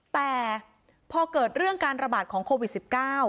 แต่พอเกิดเรื่องการระบาดของโควิด๑๙